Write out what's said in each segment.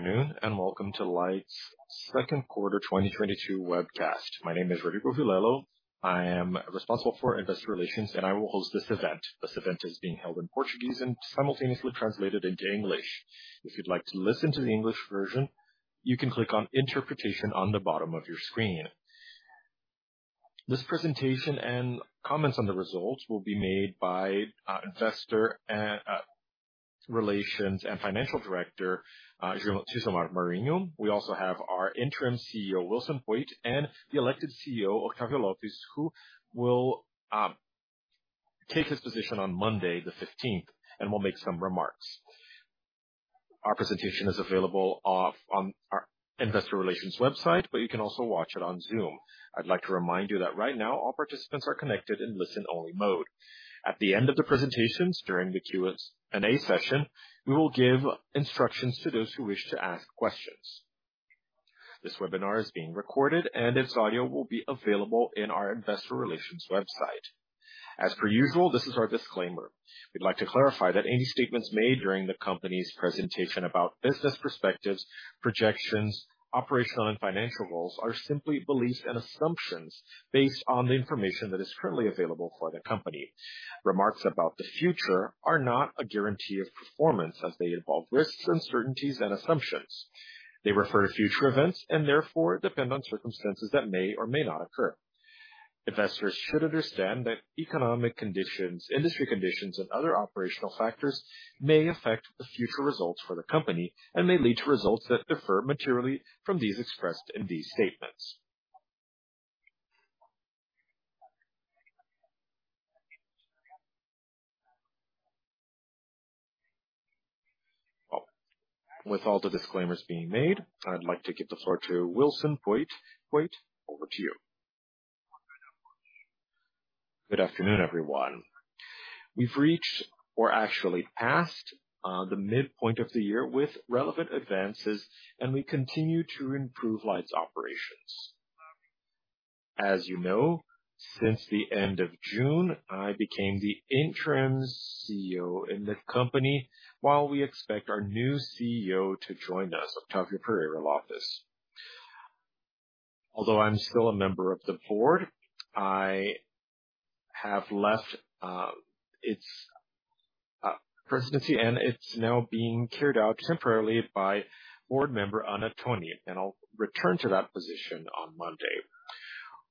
Good afternoon, and welcome to Light's second quarter 2022 webcast. My name is Rodrigo Vilela. I am responsible for investor relations, and I will host this event. This event is being held in Portuguese and simultaneously translated into English. If you'd like to listen to the English version, you can click on interpretation on the bottom of your screen. This presentation and comments on the results will be made by Investor Relations and Financial Director Gisomar Marinho. We also have our interim CEO, Wilson Poit, and the elected CEO, Octávio Lopes, who will take his position on Monday the 15th and will make some remarks. Our presentation is available on our Investor Relations website, but you can also watch it on Zoom. I'd like to remind you that right now all participants are connected in listen-only mode. At the end of the presentations, during the Q&A session, we will give instructions to those who wish to ask questions. This webinar is being recorded, and its audio will be available in our Investor Relations website. As per usual, this is our disclaimer. We'd like to clarify that any statements made during the company's presentation about business perspectives, projections, operational and financial goals are simply beliefs and assumptions based on the information that is currently available for the company. Remarks about the future are not a guarantee of performance as they involve risks, uncertainties and assumptions. They refer to future events and therefore depend on circumstances that may or may not occur. Investors should understand that economic conditions, industry conditions and other operational factors may affect the future results for the company and may lead to results that differ materially from those expressed in these statements. Well, with all the disclaimers being made, I'd like to give the floor to Wilson Poit. Poit, over to you. Good afternoon, everyone. We've reached or actually passed the midpoint of the year with relevant advances, and we continue to improve Light's operations. As you know, since the end of June, I became the interim CEO in the company while we expect our new CEO to join us, Octavio Pereira Lopes. Although I'm still a member of the board, I have left its presidency, and it's now being carried out temporarily by board member Ana Toni, and I'll return to that position on Monday.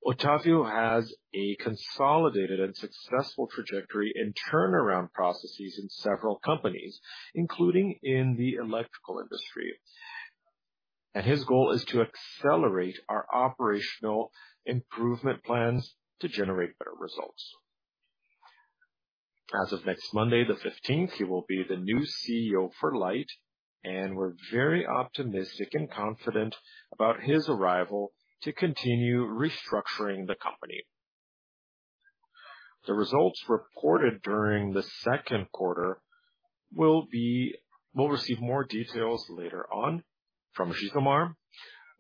Octavio has a consolidated and successful trajectory in turnaround processes in several companies, including in the electrical industry. His goal is to accelerate our operational improvement plans to generate better results. As of next Monday, the 15th, he will be the new CEO for Light, and we're very optimistic and confident about his arrival to continue restructuring the company. The results reported during the second quarter will be— We'll receive more details later on from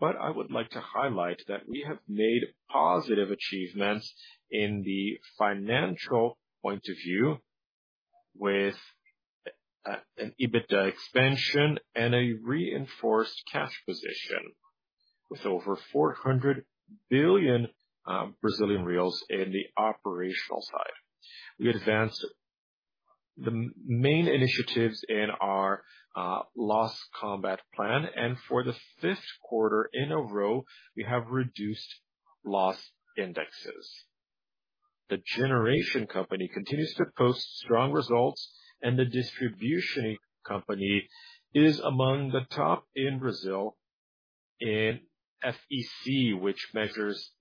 Gisomar. I would like to highlight that we have made positive achievements in the financial point of view with an EBITDA expansion and a reinforced cash position with over 400 billion Brazilian reais in the operational side. We advanced the main initiatives in our loss combat plan, and for the fifth quarter in a row, we have reduced loss indexes. The generation company continues to post strong results, and the distribution company is among the top in Brazil in FEC, which measures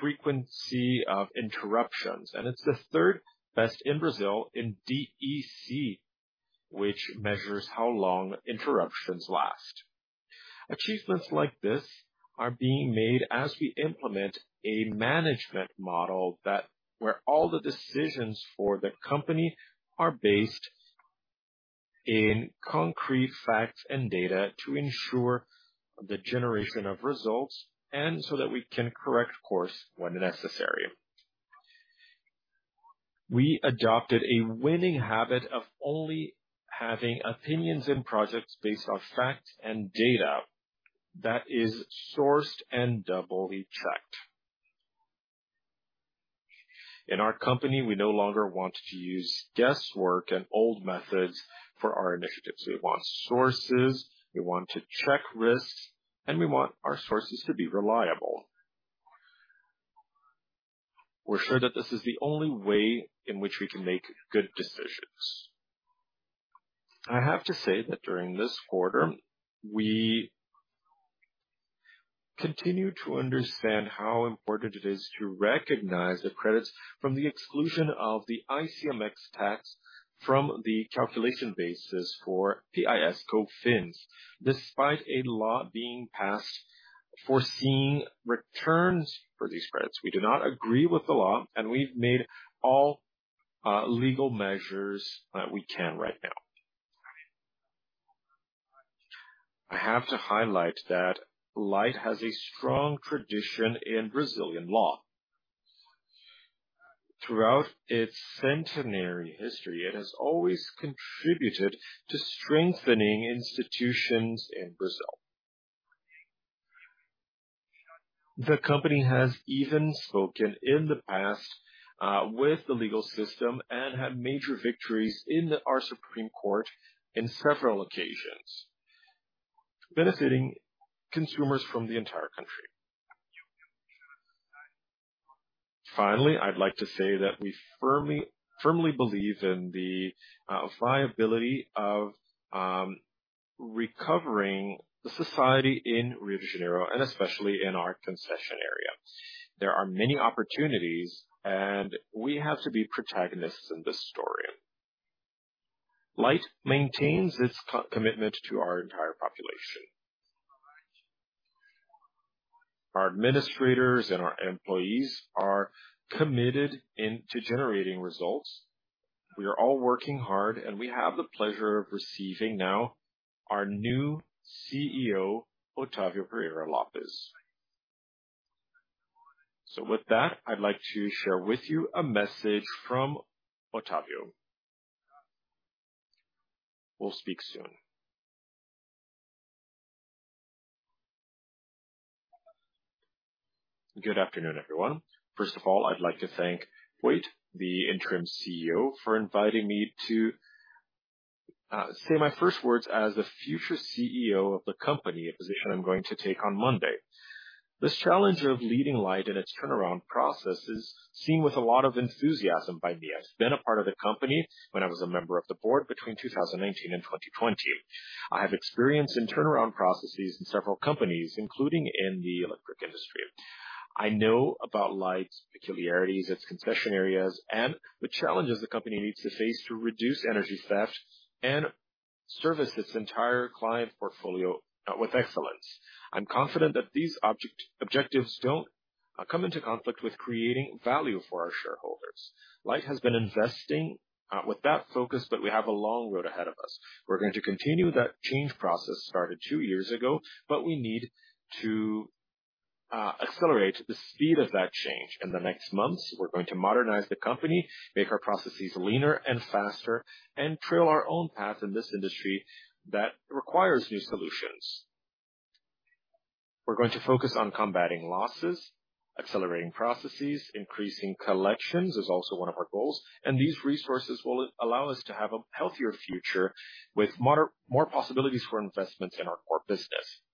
frequency of interruptions. It's the third best in Brazil in DEC, which measures how long interruptions last. Achievements like this are being made as we implement a management model that, where all the decisions for the company are based in concrete facts and data to ensure the generation of results and so that we can correct course when necessary. We adopted a winning habit of only having opinions in projects based on fact and data that is sourced and double-checked. In our company, we no longer want to use guesswork and old methods for our initiatives. We want sources, we want to check risks, and we want our sources to be reliable. We're sure that this is the only way in which we can make good decisions. I have to say that during this quarter, we continue to understand how important it is to recognize the credits from the exclusion of the ICMS tax from the calculation basis for PIS/COFINS, despite a law being passed foreseeing returns for these credits. We do not agree with the law, and we've made all legal measures that we can right now. I have to highlight that Light has a strong tradition in Brazilian law. Throughout its centenary history, it has always contributed to strengthening institutions in Brazil. The company has even spoken in the past with the legal system and had major victories in our Supreme Federal Court in several occasions, benefiting consumers from the entire country. Finally, I'd like to say that we firmly believe in the viability of recovering the society in Rio de Janeiro and especially in our concession area. There are many opportunities, and we have to be protagonists in this story. Light maintains its co-commitment to our entire population. Our administrators and our employees are committed to generating results. We are all working hard, and we have the pleasure of receiving now our new CEO, Octávio Pereira Lopes. With that, I'd like to share with you a message from Octávio. We'll speak soon. Good afternoon, everyone. First of all, I'd like to thank Poit, the interim CEO, for inviting me to say my first words as the future CEO of the company, a position I'm going to take on Monday. This challenge of leading Light in its turnaround process is seen with a lot of enthusiasm by me. I've been a part of the company when I was a member of the board between 2018 and 2020. I have experience in turnaround processes in several companies, including in the electric industry. I know about Light's peculiarities, its concession areas, and the challenges the company needs to face to reduce energy theft and service its entire client portfolio with excellence. I'm confident that these objectives don't come into conflict with creating value for our shareholders. Light has been investing with that focus, but we have a long road ahead of us. We're going to continue that change process started two years ago, but we need to accelerate the speed of that change. In the next months, we're going to modernize the company, make our processes leaner and faster, and trail our own path in this industry that requires new solutions. We're going to focus on combating losses, accelerating processes, increasing collections is also one of our goals, and these resources will allow us to have a healthier future with more possibilities for investments in our core business.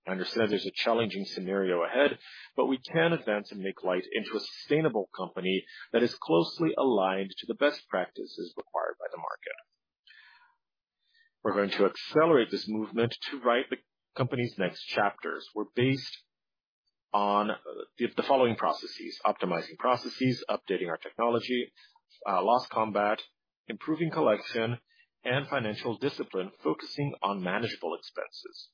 I understand there's a challenging scenario ahead, but we can advance and make Light into a sustainable company that is closely aligned to the best practices required by the market. We're going to accelerate this movement to write the company's next chapters. We're based on the following processes, optimizing processes, updating our technology, loss combat, improving collection, and financial discipline focusing on manageable expenses.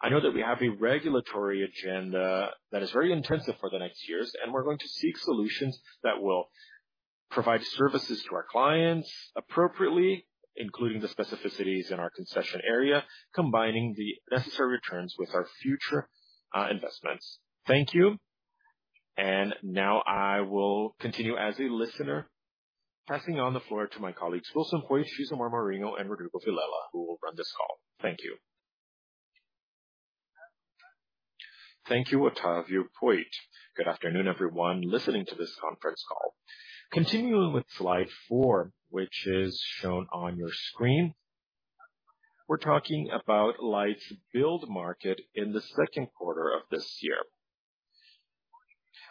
I know that we have a regulatory agenda that is very intensive for the next years, and we're going to seek solutions that will provide services to our clients appropriately, including the specificities in our concession area, combining the necessary returns with our future investments. Thank you. Now I will continue as a listener, passing on the floor to my colleagues, Wilson Poit, Gisomar Marinho, and Rodrigo Vilela, who will run this call. Thank you. Thank you, Otavio, Poit. Good afternoon, everyone listening to this conference call. Continuing with slide four, which is shown on your screen, we're talking about Light's billed market in the second quarter of this year.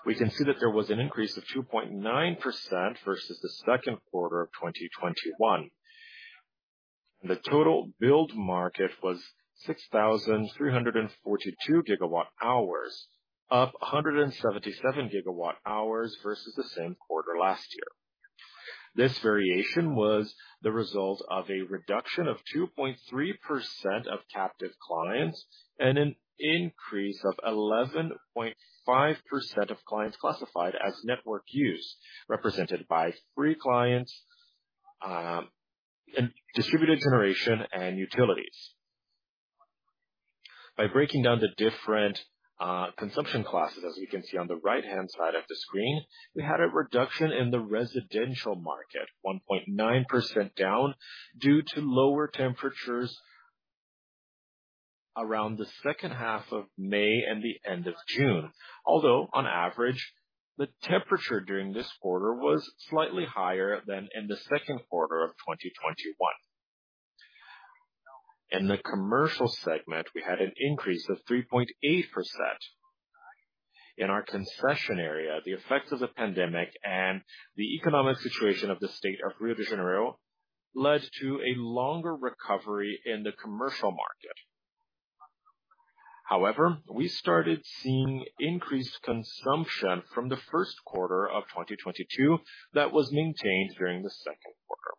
We can see that there was an increase of 2.9% versus the second quarter of 2021. The total billed market was 6,342 GWh, up 177 GWh versus the same quarter last year. This variation was the result of a reduction of 2.3% of captive clients and an increase of 11.5% of clients classified as network use, represented by free clients, and distributed generation and utilities. By breaking down the different consumption classes, as we can see on the right-hand side of the screen, we had a reduction in the residential market, 1.9% down due to lower temperatures around the second half of May and the end of June. Although on average, the temperature during this quarter was slightly higher than in the second quarter of 2021. In the commercial segment, we had an increase of 3.8%. In our concession area, the effects of the pandemic and the economic situation of the state of Rio de Janeiro led to a longer recovery in the commercial market. However, we started seeing increased consumption from the first quarter of 2022 that was maintained during the second quarter.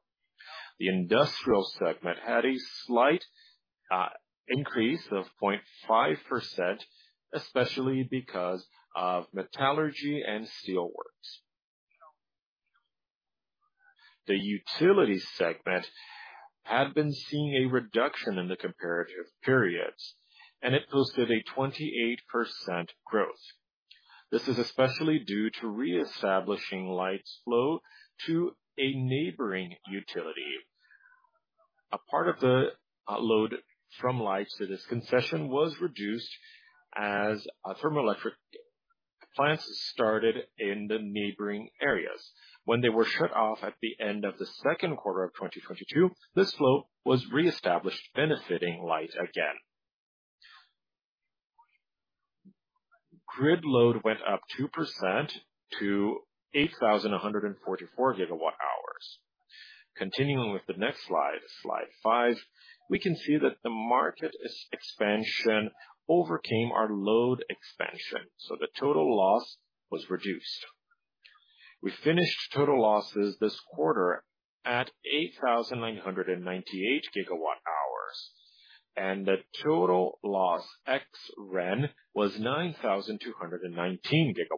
The industrial segment had a slight increase of 0.5%, especially because of metallurgy and steelworks. The utility segment had been seeing a reduction in the comparative periods, and it posted a 28% growth. This is especially due to reestablishing Light's flow to a neighboring utility. A part of the load from Light's to this concession was reduced as thermoelectric plants started in the neighboring areas. When they were shut off at the end of the second quarter of 2022, this flow was reestablished, benefiting Light again. Grid load went up 2% to 8,144 GWh. Continuing with the next slide five, we can see that the market expansion overcame our load expansion, so the total loss was reduced. We finished total losses this quarter at 8,998 GWh, and the total loss ex REN was 9,219 GWh.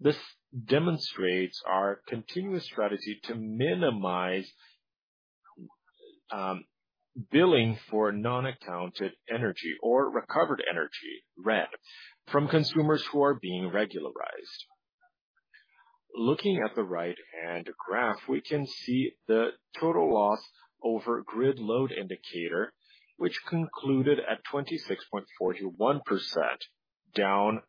This demonstrates our continuous strategy to minimize billing for non-accounted energy or recovered energy, REN, from consumers who are being regularized. Looking at the right-hand graph, we can see the total loss over grid load indicator, which concluded at 26.41%, down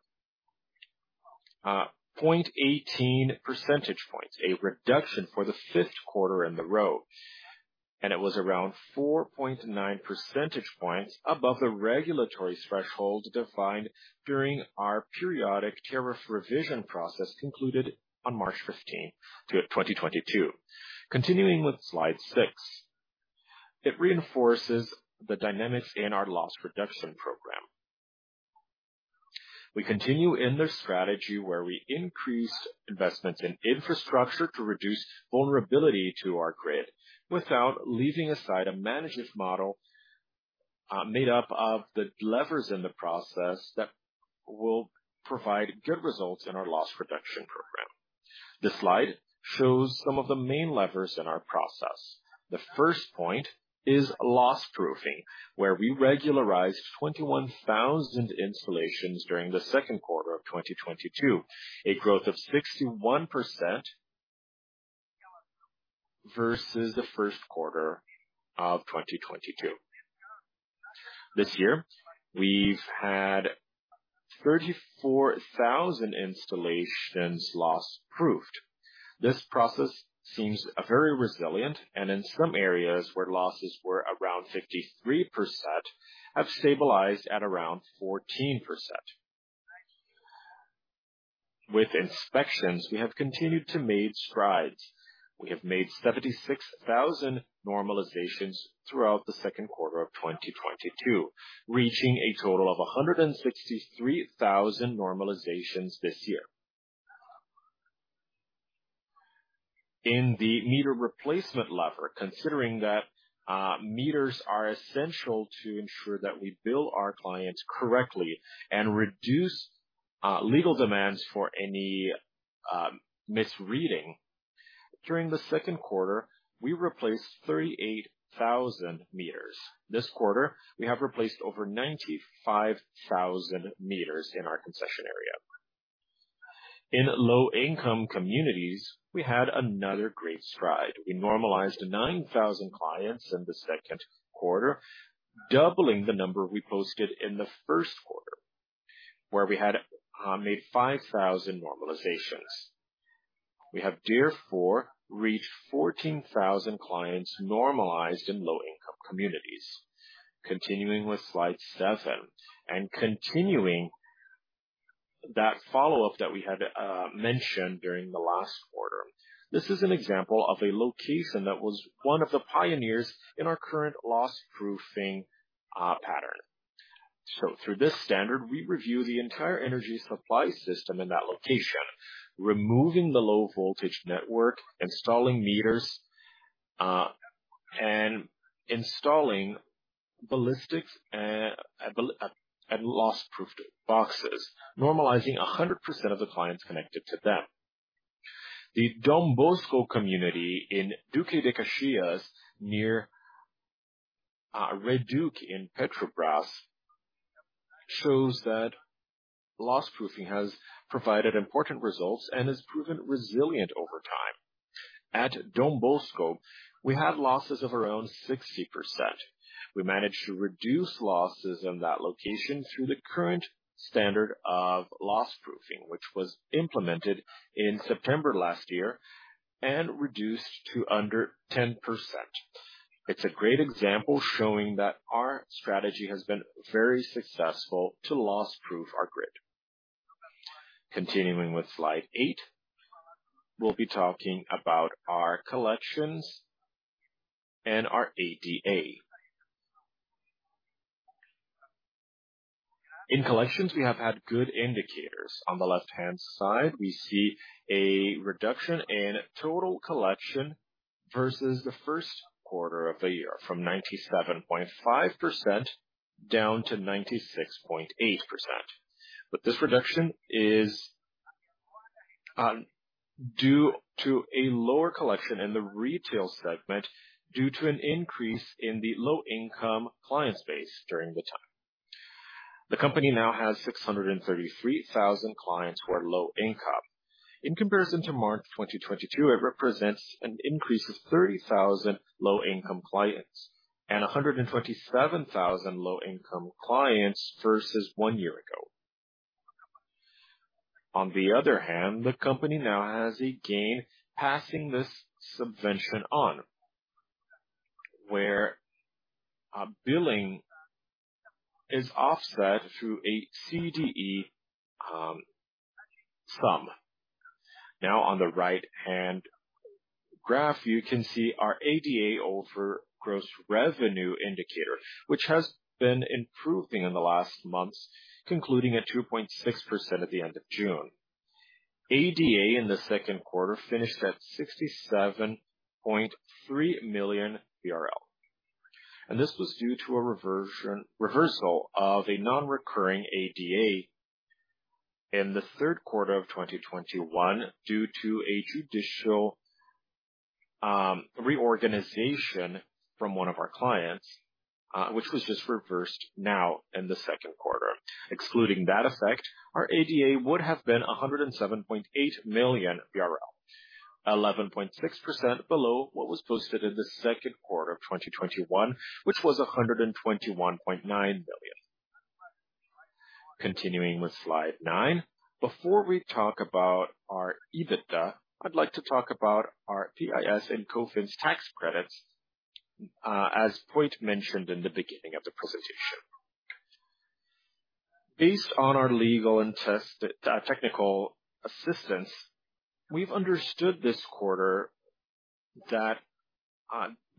0.18 percentage points, a reduction for the fifth quarter in a row. It was around 4.9 percentage points above the regulatory threshold defined during our periodic tariff revision process concluded on March 15 through 2022. Continuing with slide six. It reinforces the dynamics in our loss reduction program. We continue in the strategy where we increased investment in infrastructure to reduce vulnerability to our grid without leaving aside a management model, made up of the levers in the process that will provide good results in our loss reduction program. This slide shows some of the main levers in our process. The first point is loss proofing, where we regularized 21,000 installations during the second quarter of 2022, a growth of 61% versus the first quarter of 2022. This year, we've had 34,000 installations loss proofed. This process seems very resilient and in some areas where losses were around 53% have stabilized at around 14%. With inspections, we have continued to make strides. We have made 76,000 normalizations throughout the second quarter of 2022, reaching a total of 163,000 normalizations this year. In the meter replacement lever, considering that meters are essential to ensure that we bill our clients correctly and reduce legal demands for any misreading. During the second quarter, we replaced 38,000 meters. This quarter, we have replaced over 95,000 meters in our concession area. In low-income communities, we had another great stride. We normalized 9,000 clients in the second quarter, doubling the number we posted in the first quarter, where we had made 5,000 normalizations. We have therefore reached 14,000 clients normalized in low-income communities. Continuing with slide seven, and continuing that follow-up that we had mentioned during the last quarter. This is an example of a location that was one of the pioneers in our current loss proofing pattern. Through this standard, we review the entire energy supply system in that location, removing the low voltage network, installing meters, and installing ballistics and loss-proofed boxes, normalizing 100% of the clients connected to them. The Dom Bosco community in Duque de Caxias, near Reduc in Petrobras, shows that loss-proofing has provided important results and has proven resilient over time. At Dom Bosco, we had losses of around 60%. We managed to reduce losses in that location through the current standard of loss-proofing, which was implemented in September last year and reduced to under 10%. It's a great example showing that our strategy has been very successful to loss-proof our grid. Continuing with slide eight, we'll be talking about our collections and our ADA. In collections, we have had good indicators. On the left-hand side, we see a reduction in total collection versus the first quarter of the year, from 97.5% down to 96.8%. This reduction is due to a lower collection in the retail segment due to an increase in the low-income client base during the time. The company now has 633,000 clients who are low-income. In comparison to March 2022, it represents an increase of 30,000 low-income clients and 127,000 low-income clients versus one year ago. On the other hand, the company now has a gain passing this subvention on, where a billing is offset through a CDE sum. Now on the right-hand graph, you can see our ADA over gross revenue indicator, which has been improving in the last months, concluding at 2.6% at the end of June. ADA in the second quarter finished at 67.3 million BRL, and this was due to a reversal of a non-recurring ADA in the third quarter of 2021 due to a judicial reorganization from one of our clients, which was just reversed now in the second quarter. Excluding that effect, our ADA would have been 107.8 million BRL, 11.6% below what was posted in the second quarter of 2021, which was 121.9 million. Continuing with slide nine. Before we talk about our EBITDA, I'd like to talk about our PIS/COFINS tax credits, as Poit mentioned in the beginning of the presentation. Based on our legal and technical assistance, we've understood this quarter that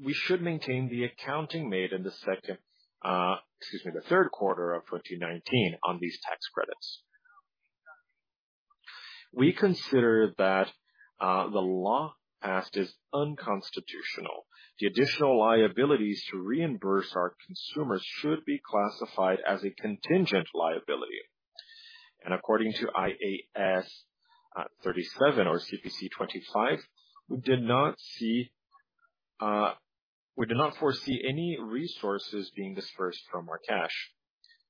we should maintain the accounting made in the third quarter of 2019 on these tax credits. We consider that the law passed is unconstitutional. The additional liabilities to reimburse our consumers should be classified as a contingent liability. According to IAS 37 or CPC 25, we did not foresee any resources being disbursed from our cash.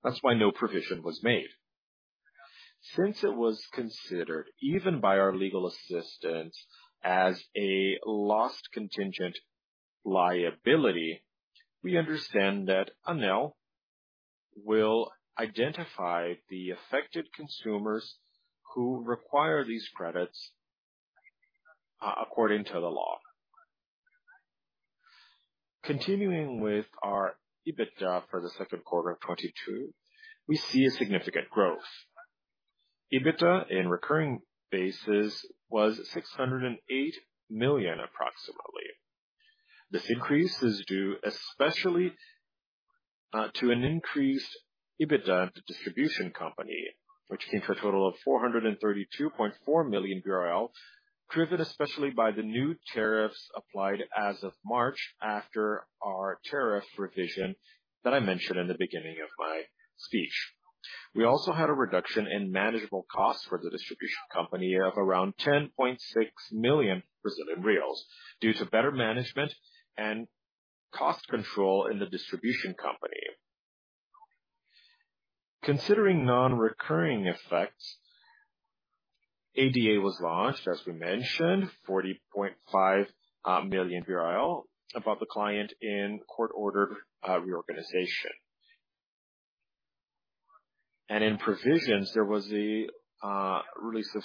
That's why no provision was made. Since it was considered even by our legal assistance as a lost contingent liability, we understand that ANEEL will identify the affected consumers who require these credits according to the law. Continuing with our EBITDA for the second quarter of 2022, we see a significant growth. EBITDA on a recurring basis was approximately 608 million. This increase is due especially to an increased EBITDA at the distribution company, which came to a total of 432.4 million BRL, driven especially by the new tariffs applied as of March after our tariff revision that I mentioned in the beginning of my speech. We also had a reduction in manageable costs for the distribution company of around 10.6 million Brazilian reais due to better management and cost control in the distribution company. Considering non-recurring effects, ADA was launched as we mentioned, 40.5 million above the line in court-ordered reorganization. In provisions, there was a release of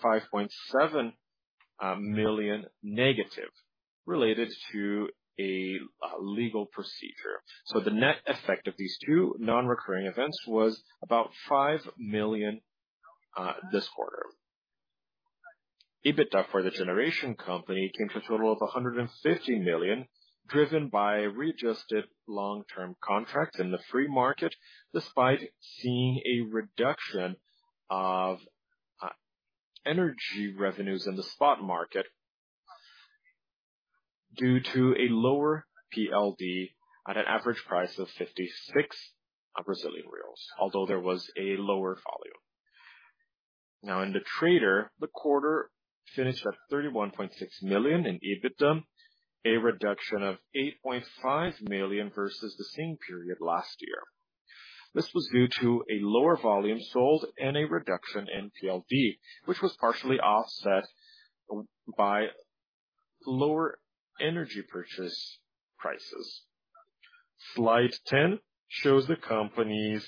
35.7 million negative related to a legal procedure. The net effect of these two non-recurring events was about 5 million this quarter. EBITDA for the generation company came to a total of 150 million, driven by readjusted long-term contracts in the free market, despite seeing a reduction of energy revenues in the spot market due to a lower PLD at an average price of 56 Brazilian reais, although there was a lower volume. Now in the trader, the quarter finished at 31.6 million in EBITDA, a reduction of 8.5 million versus the same period last year. This was due to a lower volume sold and a reduction in PLD, which was partially offset by lower energy purchase prices. Slide 10 shows the company's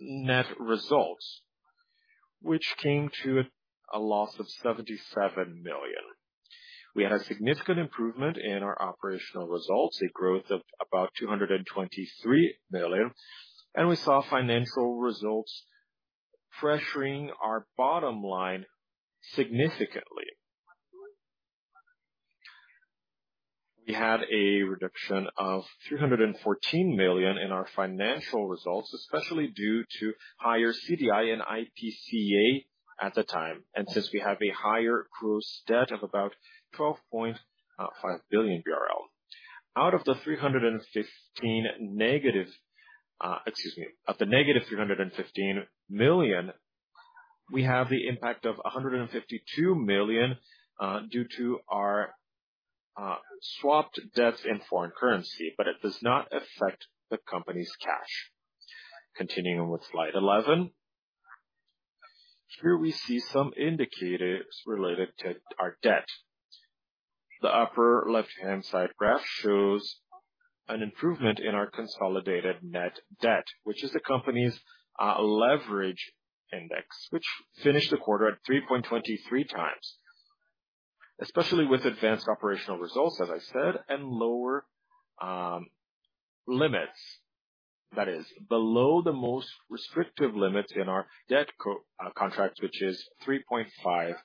net results, which came to a loss of 77 million. We had a significant improvement in our operational results, a growth of about 223 million, and we saw financial results pressuring our bottom line significantly. We had a reduction of 314 million in our financial results, especially due to higher CDI and IPCA at the time. Since we have a higher gross debt of about 12.5 billion BRL. Of the -315 million, we have the impact of 152 million due to our swapped debts in foreign currency, but it does not affect the company's cash. Continuing with slide eleven. Here we see some indicators related to our debt. The upper left-hand side graph shows an improvement in our consolidated net debt, which is the company's leverage index, which finished the quarter at 3.23x, especially with advanced operational results, as I said, and lower limits. That is below the most restrictive limits in our debt contract, which is 3.5x.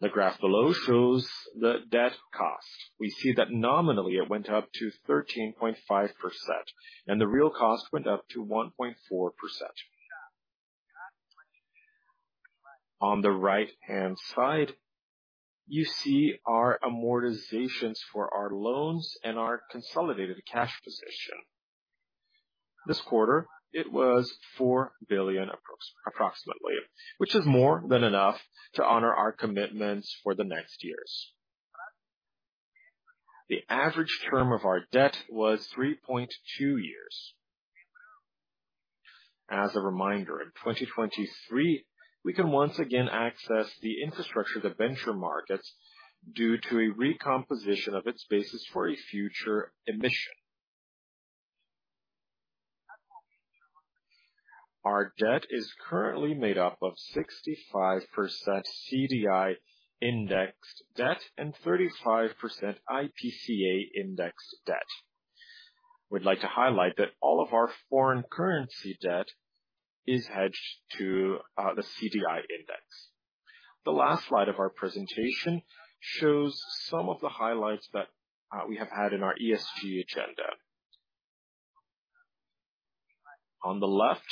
The graph below shows the debt cost. We see that nominally it went up to 13.5%, and the real cost went up to 1.4%. On the right-hand side, you see our amortizations for our loans and our consolidated cash position. This quarter, it was 4 billion approximately, which is more than enough to honor our commitments for the next years. The average term of our debt was 3.2 years. As a reminder, in 2023, we can once again access the infrastructure debenture markets, due to a recomposition of its basis for a future emission. Our debt is currently made up of 65% CDI-indexed debt and 35% IPCA-indexed debt. We'd like to highlight that all of our foreign currency debt is hedged to the CDI index. The last slide of our presentation shows some of the highlights that we have had in our ESG agenda. On the left,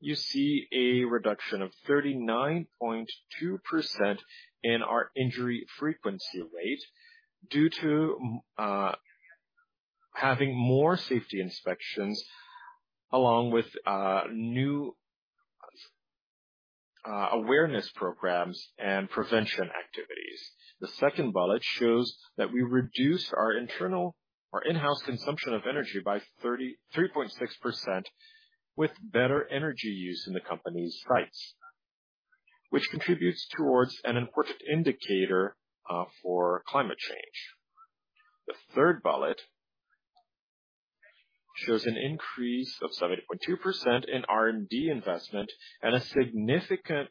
you see a reduction of 39.2% in our injury frequency rate due to having more safety inspections along with new awareness programs and prevention activities. The second bullet shows that we reduce our internal or in-house consumption of energy by 33.6% with better energy use in the company's sites, which contributes towards an important indicator for climate change. The third bullet shows an increase of 70.2% in R&D investment and a significant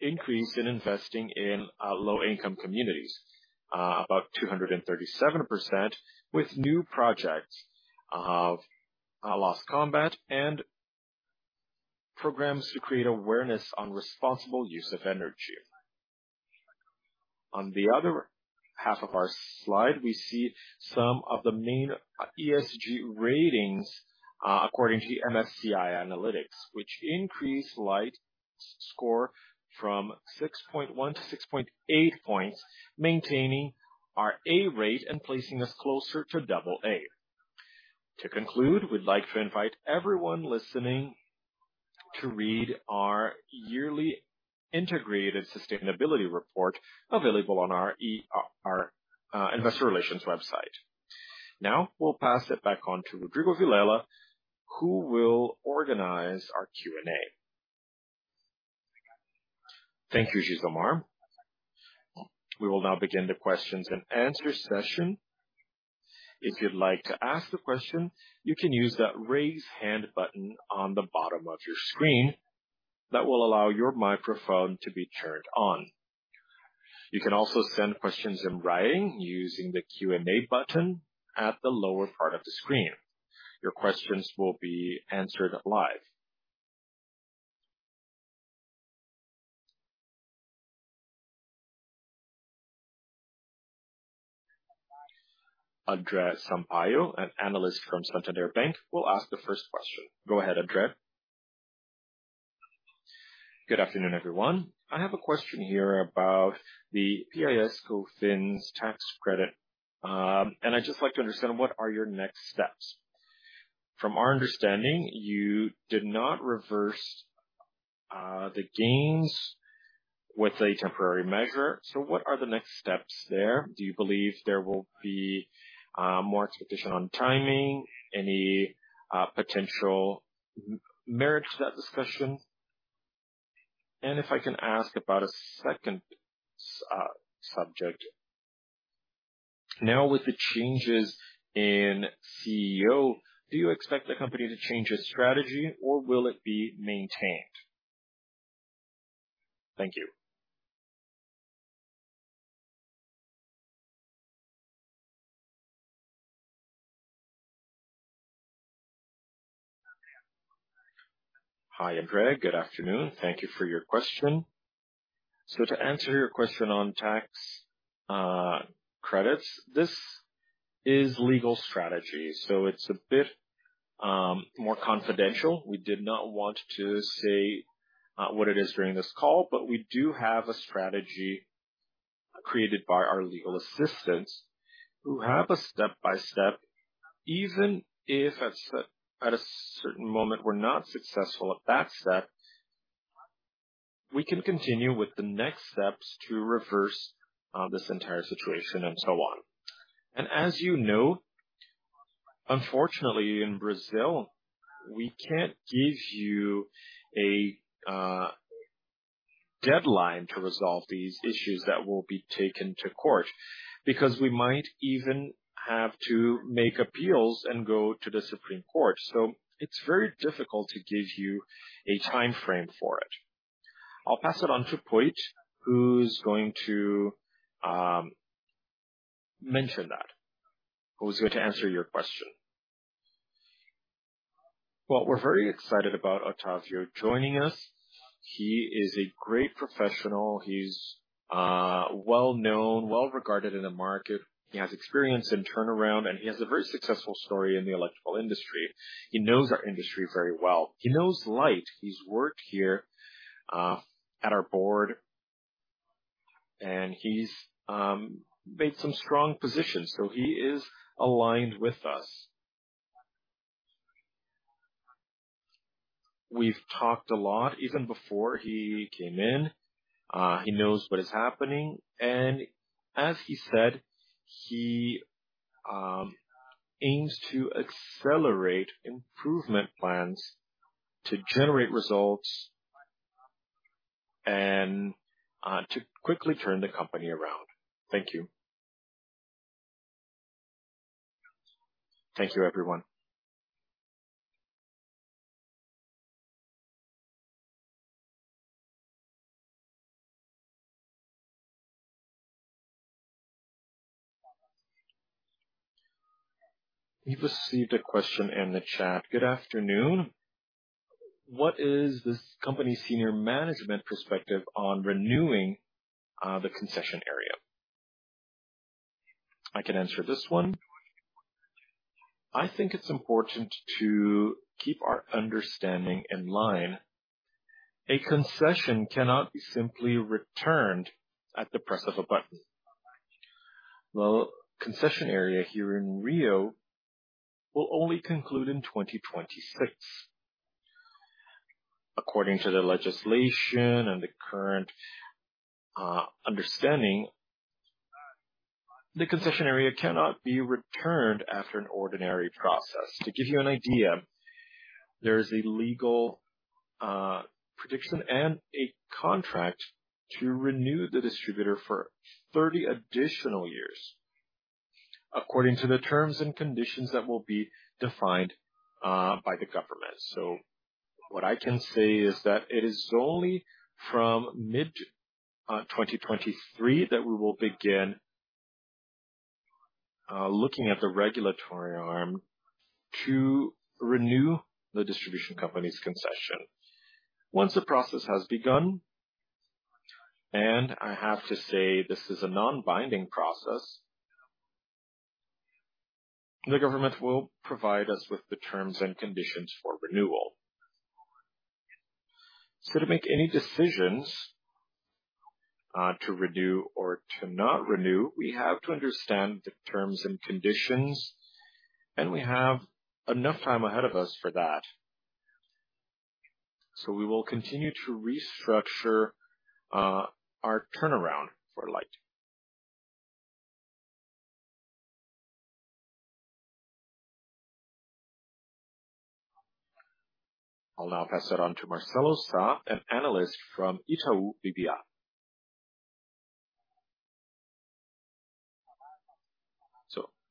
increase in investing in low income communities about 237%, with new projects of loss combat and programs to create awareness on responsible use of energy. On the other half of our slide, we see some of the main ESG ratings according to the MSCI analytics, which increased Light's score from 6.1 to 6.8 points, maintaining our A rate and placing us closer to double A. To conclude, we'd like to invite everyone listening to read our yearly integrated sustainability report available on our Investor Relations website. Now, we'll pass it back on to Rodrigo Vilela, who will organize our Q&A. Thank you, Gisomar. We will now begin the question-and-answer session. If you'd like to ask the question, you can use that Raise Hand button on the bottom of your screen. That will allow your microphone to be turned on. You can also send questions in writing using the Q&A button at the lower part of the screen. Your questions will be answered live. Andre Sampaio, an analyst from Santander Bank, will ask the first question. Go ahead, Andre. Good afternoon, everyone. I have a question here about the PIS/COFINS tax credit. I'd just like to understand what are your next steps. From our understanding, you did not reverse the gains with a temporary measure. What are the next steps there? Do you believe there will be more expectation on timing? Any potential merit to that discussion? If I can ask about a second subject. Now, with the changes in CEO, do you expect the company to change its strategy or will it be maintained? Thank you. Hi, Andre. Good afternoon. Thank you for your question. To answer your question on tax credits, this is legal strategy, so it's a bit more confidential. We did not want to say what it is during this call, but we do have a strategy created by our legal assistants who have a step-by-step. Even if at a certain moment we're not successful at that step, we can continue with the next steps to reverse this entire situation and so on. As you know, unfortunately in Brazil, we can't give you a deadline to resolve these issues that will be taken to court, because we might even have to make appeals and go to the Supreme Court. It's very difficult to give you a timeframe for it. I'll pass it on to Poit, who's going to mention that, who's going to answer your question. Well, we're very excited about Otávio joining us. He is a great professional. He's well-known, well-regarded in the market. He has experience in turnaround, and he has a very successful story in the electrical industry. He knows our industry very well. He knows Light. He's worked here at our board, and he's made some strong positions. He is aligned with us. We've talked a lot even before he came in. He knows what is happening. As he said, he aims to accelerate improvement plans to generate results and to quickly turn the company around. Thank you. Thank you, everyone. We've received a question in the chat. Good afternoon. What is this company's senior management perspective on renewing the concession area? I can answer this one. I think it's important to keep our understanding in line. A concession cannot be simply returned at the press of a button. The concession area here in Rio will only conclude in 2026. According to the legislation and the current understanding, the concession area cannot be returned after an ordinary process. To give you an idea, there is a legal prediction and a contract to renew the distributor for 30 additional years, according to the terms and conditions that will be defined by the government. What I can say is that it is only from mid-2023 that we will begin looking at the regulatory arm to renew the distribution company's concession. Once the process has begun, and I have to say this is a non-binding process, the government will provide us with the terms and conditions for renewal. To make any decisions to renew or to not renew, we have to understand the terms and conditions, and we have enough time ahead of us for that. We will continue to restructure our turnaround for Light. I'll now pass it on to Marcelo Sa, an analyst from Itaú BBA.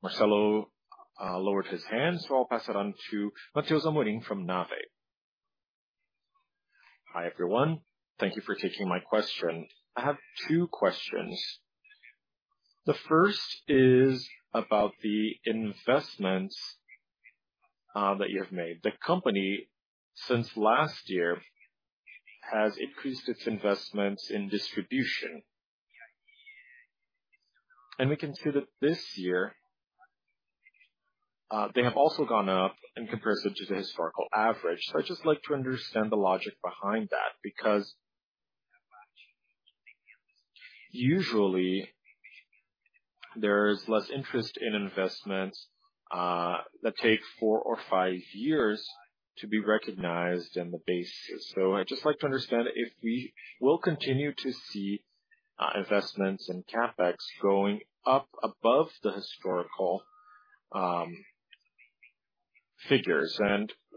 Marcelo Sá lowered his hand. I'll pass it on to Matheus Amorim from Navi. Hi, everyone. Thank you for taking my question. I have two questions. The first is about the investments that you have made. The company, since last year, has increased its investments in distribution. We can see that this year they have also gone up in comparison to the historical average. I'd just like to understand the logic behind that, because usually there is less interest in investments that take four or five years to be recognized in the base. I'd just like to understand if we will continue to see investments in CapEx going up above the historical figures.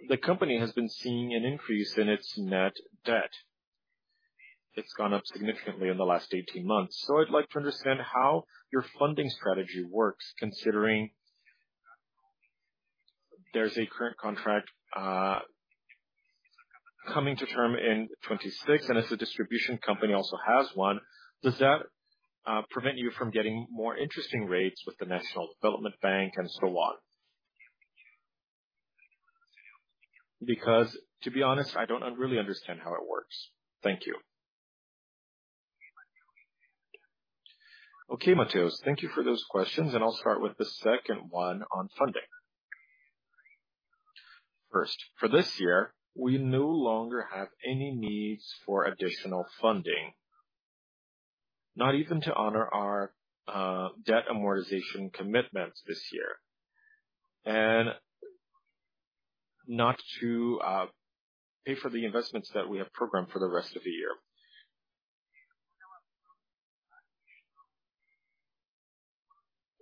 The company has been seeing an increase in its net debt. It's gone up significantly in the last 18 months. I'd like to understand how your funding strategy works, considering there's a current contract coming to term in 2026, and as a distribution company also has one. Does that prevent you from getting more interesting rates with the National Development Bank and so on. Because to be honest, I don't really understand how it works. Thank you. Okay, Matheus, thank you for those questions, and I'll start with the second one on funding. First, for this year, we no longer have any needs for additional funding, not even to honor our debt amortization commitments this year, and not to pay for the investments that we have programmed for the rest of the year.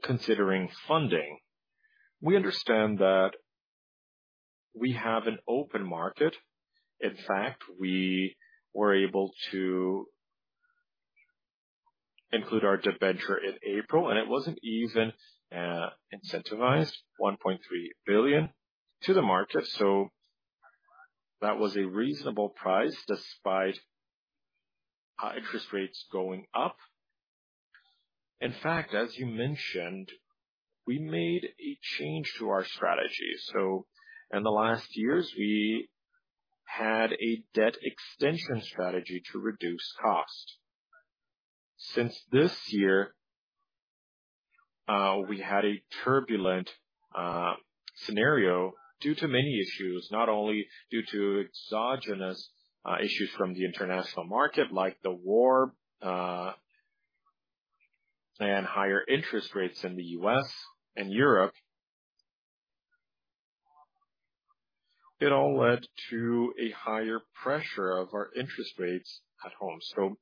Considering funding, we understand that we have an open market. In fact, we were able to include our debenture in April, and it wasn't even incentivized, 1.3 billion to the market. That was a reasonable price despite interest rates going up. In fact, as you mentioned, we made a change to our strategy. In the last years, we had a debt extension strategy to reduce cost. Since this year, we had a turbulent scenario due to many issues, not only due to exogenous issues from the international market, like the war and higher interest rates in the U.S. and Europe. It all led to a higher pressure of our interest rates at home.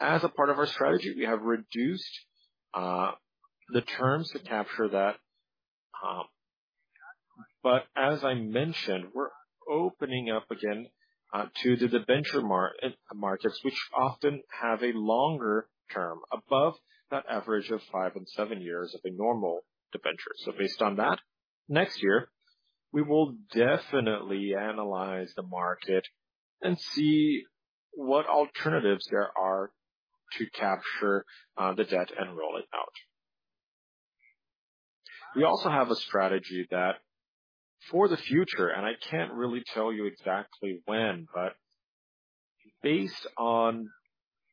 As a part of our strategy, we have reduced the terms to capture that. As I mentioned, we're opening up again to the debenture markets, which often have a longer term above the average of five and seven years of a normal debenture. Based on that, next year we will definitely analyze the market and see what alternatives there are to capture the debt and roll it out. We also have a strategy that for the future, and I can't really tell you exactly when, but based on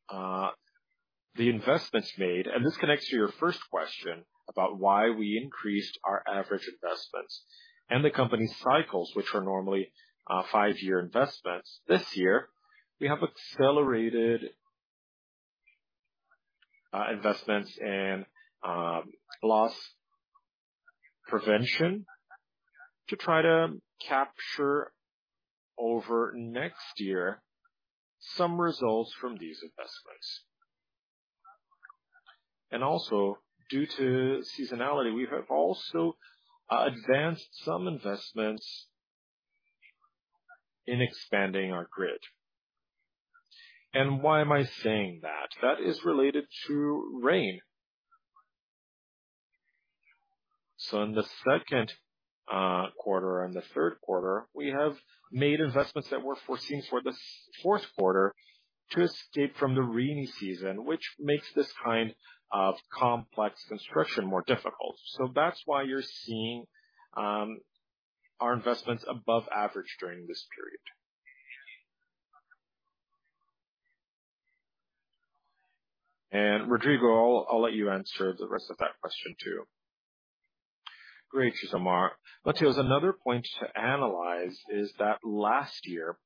the investments made, and this connects to your first question about why we increased our average investments and the company's cycles, which are normally five-year investments. This year, we have accelerated investments and loss prevention to try to capture over next year some results from these investments. Due to seasonality, we have advanced some investments in expanding our grid. Why am I saying that? That is related to rain. In the second quarter and the third quarter, we have made investments that were foreseen for the fourth quarter to escape from the rainy season, which makes this kind of complex construction more difficult. That's why you're seeing our investments above average during this period. Rodrigo, I'll let you answer the rest of that question too. Great. Thanks, Gisomar. Matheus, another point to analyze is that last year,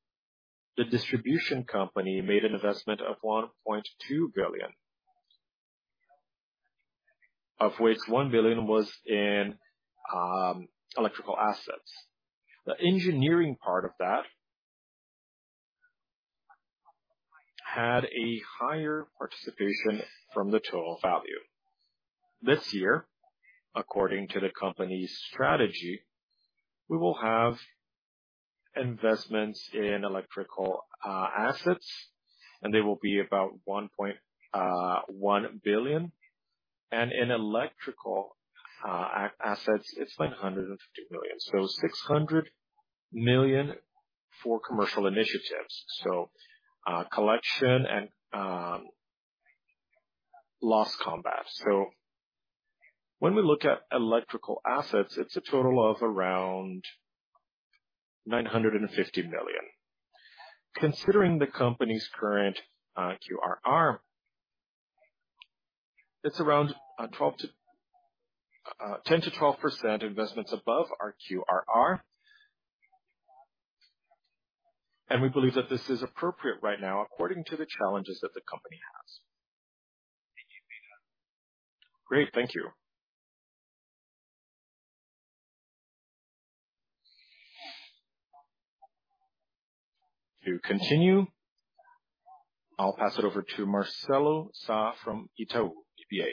the distribution company made an investment of 1.2 billion, of which 1 billion was in electrical assets. The engineering part of that had a higher participation from the total value. This year, according to the company's strategy, we will have investments in electrical assets, and they will be about [1] billion. In electrical assets it's 150 million. 600 million for commercial initiatives. Collection and loss combat. When we look at electrical assets, it's a total of around 950 million. Considering the company's current QRR, it's around 10%-12% investments above our QRR. We believe that this is appropriate right now according to the challenges that the company has. Great. Thank you. To continue, I'll pass it over to Marcelo Sa from Itaú BBA.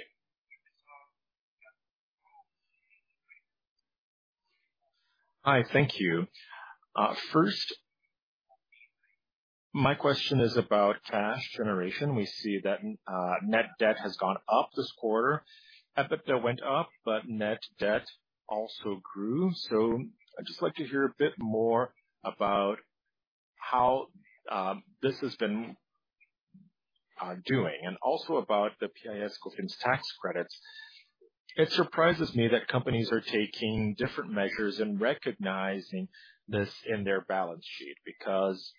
Hi. Thank you. First, my question is about cash generation. We see that net debt has gone up this quarter. EBITDA went up, but net debt also grew. I'd just like to hear a bit more about how this has been doing, and also about the PIS/COFINS tax credits. It surprises me that companies are taking different measures in recognizing this in their balance sheet, because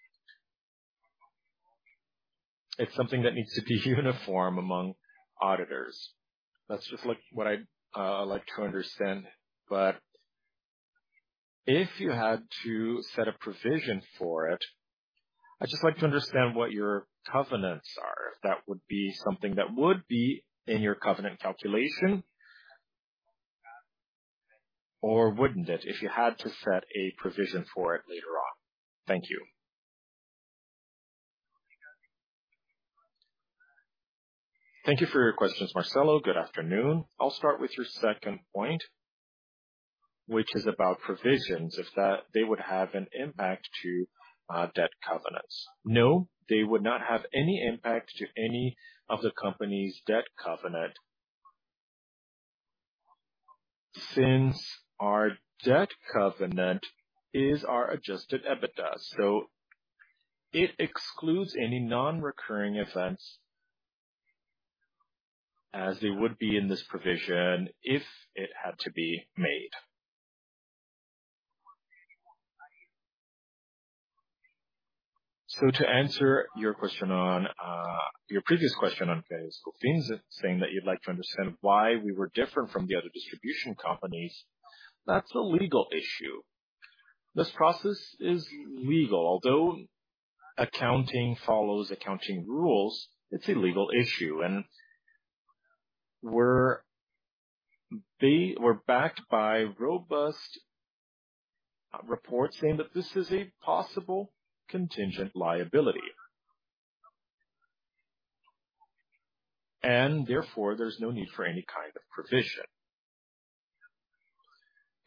it's something that needs to be uniform among auditors. That's just like what I like to understand. But if you had to set a provision for it, I'd just like to understand what your covenants are, if that would be something that would be in your covenant calculation or wouldn't it, if you had to set a provision for it later on. Thank you. Thank you for your questions, Marcelo. Good afternoon. I'll start with your second point, which is about provisions, if that they would have an impact to debt covenants. No, they would not have any impact to any of the company's debt covenant since our debt covenant is our adjusted EBITDA, so it excludes any non-recurring events as they would be in this provision if it had to be made. To answer your question on your previous question on PIS/COFINS, saying that you'd like to understand why we were different from the other distribution companies, that's a legal issue. This process is legal. Although accounting follows accounting rules, it's a legal issue. They were backed by robust reports saying that this is a possible contingent liability. Therefore, there's no need for any kind of provision.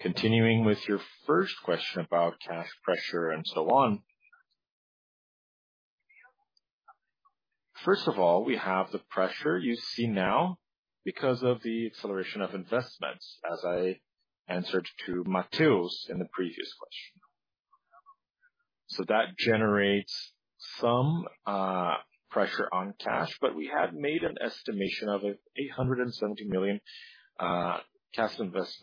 Continuing with your first question about cash pressure and so on. First of all, we have the pressure you see now because of the acceleration of investments, as I answered to Matheus in the previous question. That generates some pressure on cash. We had made an estimation of 870 million cash investments,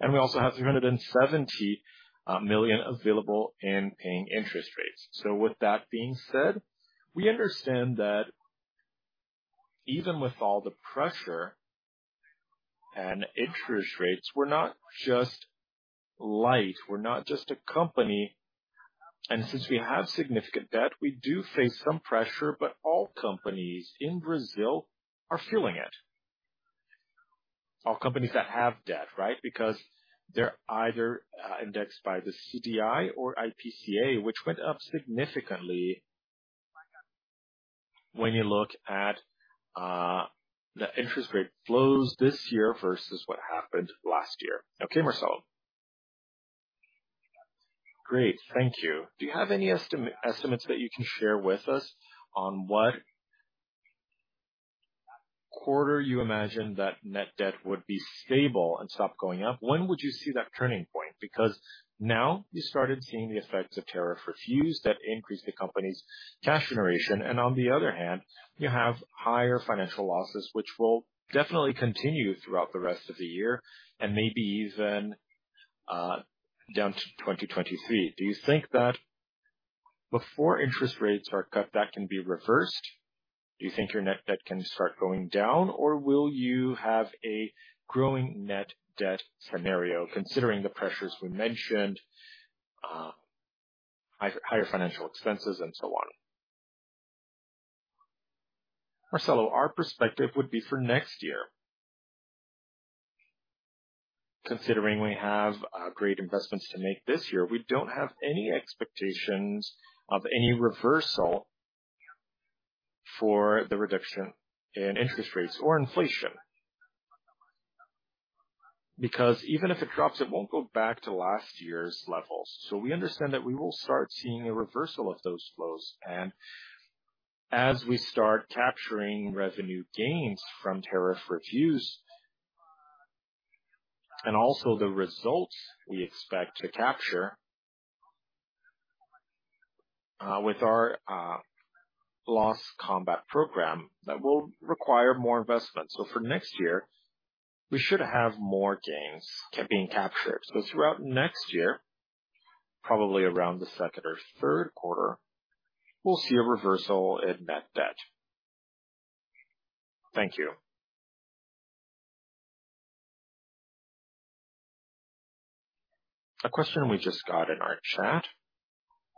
and we also have 370 million available in paying interest rates. With that being said, we understand that even with all the pressure and interest rates, we're not just Light, we're not just a company. And since we have significant debt, we do face some pressure. All companies in Brazil are feeling it. All companies that have debt, right? Because they're either indexed by the CDI or IPCA, which went up significantly when you look at the interest rate flows this year versus what happened last year. Okay, Marcelo? Great. Thank you. Do you have any estimates that you can share with us on what quarter you imagine that net debt would be stable and stop going up? When would you see that turning point? Because now you started seeing the effects of tariff reviews that increase the company's cash generation, and on the other hand, you have higher financial losses, which will definitely continue throughout the rest of the year and maybe even down to 2023. Do you think that before interest rates are cut, that can be reversed? Do you think your net debt can start going down, or will you have a growing net debt scenario considering the pressures we mentioned, higher financial expenses and so on? Marcelo, our perspective would be for next year. Considering we have great investments to make this year, we don't have any expectations of any reversal for the reduction in interest rates or inflation. Because even if it drops, it won't go back to last year's levels. We understand that we will start seeing a reversal of those flows. As we start capturing revenue gains from tariff reviews and also the results we expect to capture with our loss combat program, that will require more investment. For next year, we should have more gains being captured. Throughout next year, probably around the second or third quarter, we'll see a reversal in net debt. Thank you. A question we just got in our chat.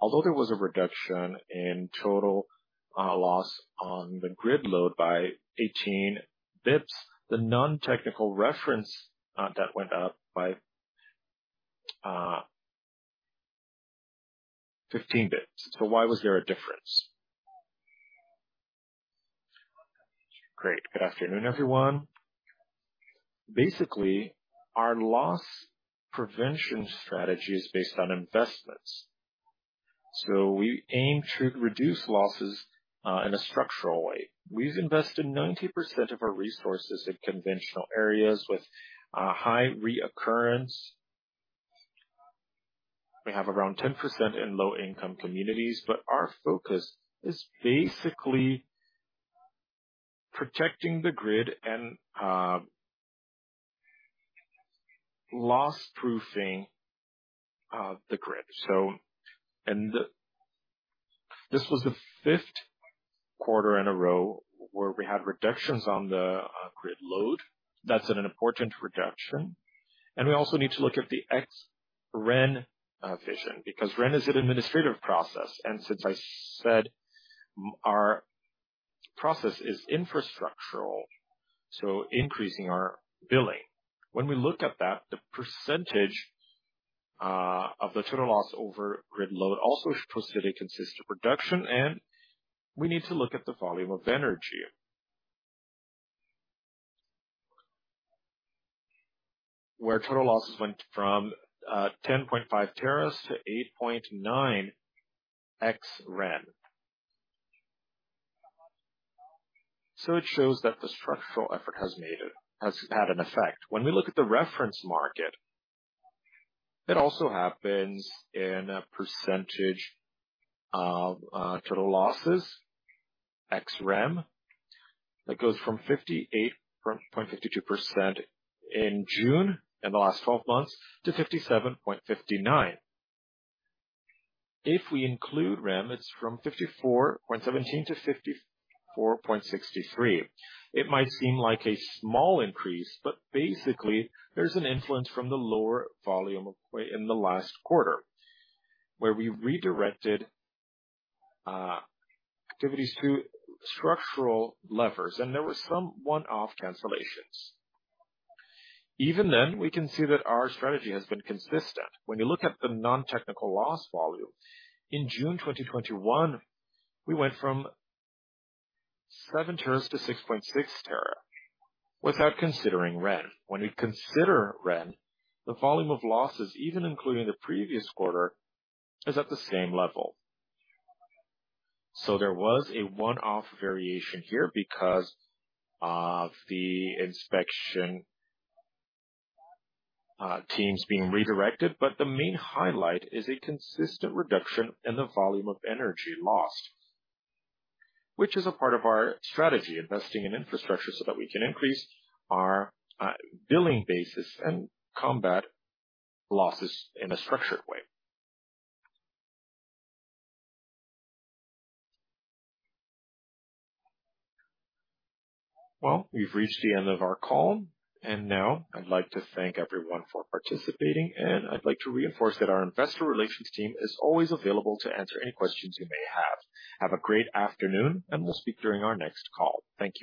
Although there was a reduction in total loss on the grid load by 18 basis points, the non-technical losses went up by 15 basis points. Why was there a difference? Great. Good afternoon, everyone. Basically, our loss prevention strategy is based on investments. We aim to reduce losses in a structural way. We've invested 90% of our resources in conventional areas with high reoccurrence. We have around 10% in low-income communities, but our focus is basically protecting the grid and loss-proofing the grid. This was the fifth quarter in a row where we had reductions on the grid load. That's an important reduction. We also need to look at the ex-REN version, because REN is an administrative process. Since I said our process is infrastructural, increasing our billing. When we look at that, the percentage of the total loss over grid load also shows a consistent reduction, and we need to look at the volume of energy. Where total losses went from 10.5 TWh to 8.9 ex-REN. It shows that the structural effort has had an effect. When we look at the reference market, it also happens in a percentage of total losses, ex-REN, that goes from 58.52% in June, in the last 12 months, to 57.59%. If we include REN, it's from 54.17% to 54.63%. It might seem like a small increase, but basically there's an influence from the lower volume in the last quarter, where we redirected activities through structural levers, and there were some one-off cancellations. Even then, we can see that our strategy has been consistent. When you look at the non-technical loss volume, in June 2021, we went from 7 TWh to 6.6 TWh, without considering REN. When we consider REN, the volume of losses, even including the previous quarter, is at the same level. So there was a one-off variation here because of the inspection teams being redirected, but the main highlight is a consistent reduction in the volume of energy lost. Which is a part of our strategy, investing in infrastructure so that we can increase our billing basis and combat losses in a structured way. Well, we've reached the end of our call. Now I'd like to thank everyone for participating, and I'd like to reinforce that our Investor Relations team is always available to answer any questions you may have. Have a great afternoon, and we'll speak during our next call. Thank you.